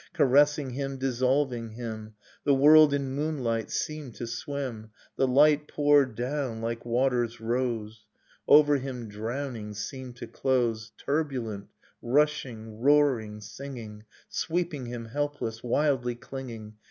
Caressing him, dissolving him; The world in moonlight seemed to swim; The light poured down, like waters rose. Over him, drowning, seemed to close, Turbulent, rushing, roaring, singing, Sweeping him helpless, wildly clinging.